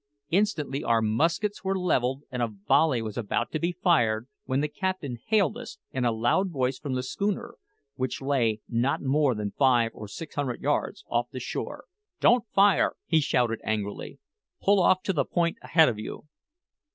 Instantly our muskets were levelled, and a volley was about to be fired when the captain hailed us in a loud voice from the schooner, which lay not more than five or six hundred yards off the shore. "Don't fire!" he shouted angrily. "Pull off to the point ahead of you!"